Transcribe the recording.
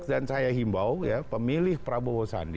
dan saya himbau pemilih prabowo sandi